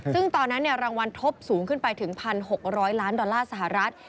ซึ่งตอนนั้นรางวัลทบสูงขึ้นไปถึง๑๖๐๐ล้านดอลลาร์สหรัฐ